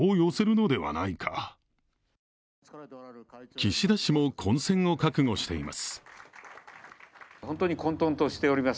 岸田氏も混戦を覚悟しています。